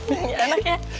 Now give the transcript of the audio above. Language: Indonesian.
gak enak ya